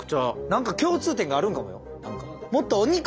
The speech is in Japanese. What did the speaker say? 何か共通点があるんかもよ。